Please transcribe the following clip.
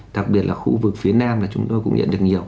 đặc biệt là khu vực phía nam là chúng tôi cũng nhận được nhiều